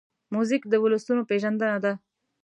موزیک د ولسونو پېژندنه ده.